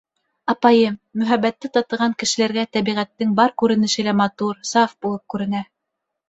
— Апайым, мөхәббәтте татыған кешеләргә тәбиғәттең бар күренеше лә матур, саф булып күренә.